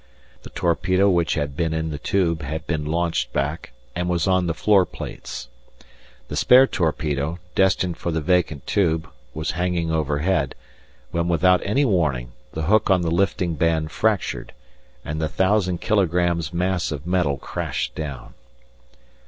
The torpedo which had been in the tube had been launched back and was on the floor plates. The spare torpedo, destined for the vacant tube, was hanging overhead, when without any warning the hook on the lifting band fractured, and the 1,000 kilogrammes' mass of metal crashed down.